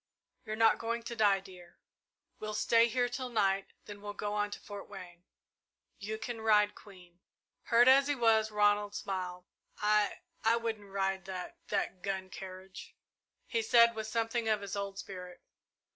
"You're not going to die, dear. We'll stay here till night, then we'll go on to Fort Wayne. You can ride Queen." Hurt as he was, Ronald smiled. "I I wouldn't ride that that gun carriage," he said with something of his old spirit.